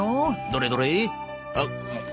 どれどれ。